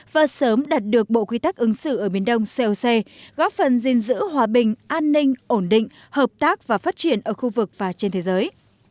và sớm đạt được bộ quy tắc ứng xử ở miền đông coc góp phần gìn giữ hòa bình an ninh ổn định hợp tác và phát triển ở khu vực và trên thế giới